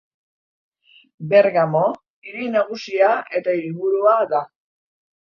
Bergamo hiri nagusia eta hiriburua da.